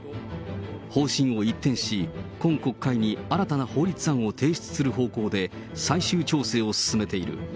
方針を一転し、今国会に新たな法律案を提出する方向で、最終調整を進めている。